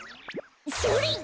それ！